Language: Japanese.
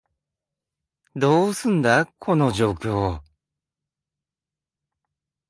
どうすんだ、この状況？